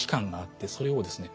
それをですね